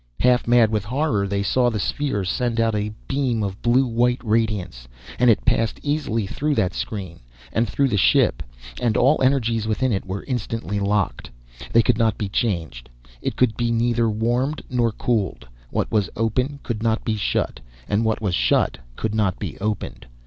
Half mad with horror, they saw the sphere send out a beam of blue white radiance, and it passed easily through that screen, and through the ship, and all energies within it were instantly locked. They could not be changed; it could be neither warmed nor cooled; what was open could not be shut, and what was shut could not be opened.